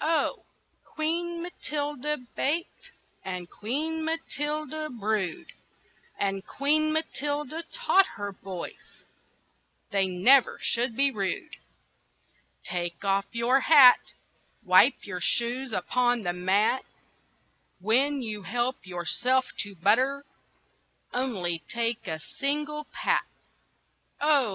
OH! Queen Matilda baked, And Queen Matilda brewed; And Queen Matilda taught her boys They never should be rude. "Take off your hat! Wipe your shoes upon the mat! When you help yourself to butter, Only take a single pat!" Oh!